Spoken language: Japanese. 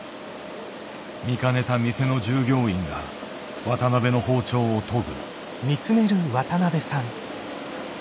見かねた店の従業員が渡辺の包丁を研ぐ。